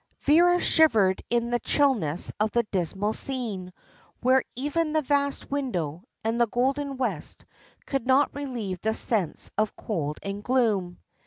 Vera shivered in the chillness of the dismal scene, where even the vast window, and the golden west, could not relieve the sense of cold and gloom.